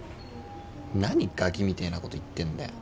何ガキみてえなこと言ってんだよ。